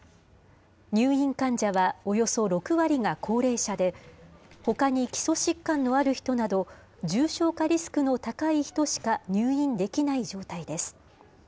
入院患者はおよそ６割が高齢者で、ほかに基礎疾患のある人など、重症化リスクの高い人しか入院できない状態です。